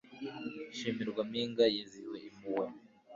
shimirwa mpinga yizihiye impuhwe